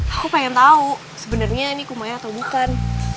aku pengen tahu sebenernya ini kumayan atau bukan